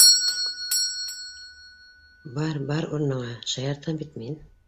- Бар, бар урыныңа, шаяртам бит мин